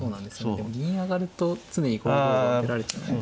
でも銀上がると常に５五が出られちゃうので。